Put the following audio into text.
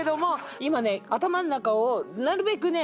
今ね頭の中をなるべくね